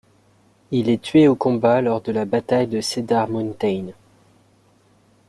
Il est tué au combat lors de la bataille de Cedar Mountain.